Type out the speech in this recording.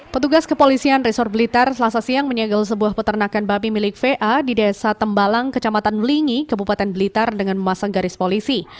petugas kepolisian resor blitar selasa siang menyegel sebuah peternakan babi milik va di desa tembalang kecamatan melingi kabupaten blitar dengan memasang garis polisi